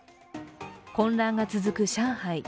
混乱が続く上海。